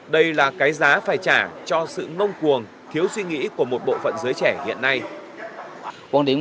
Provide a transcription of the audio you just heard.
đây là cái giá phải trả cho sự nông cuồng thiếu suy nghĩ của một bộ phận giới trẻ hiện nay